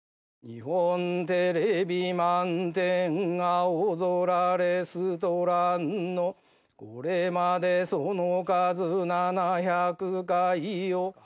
日本テレビ『満天☆青空レストラン』のこれまでその数７００回を数え。